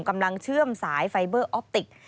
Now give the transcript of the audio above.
กำลังเชื่อมสายไฟเบอร์ออปติก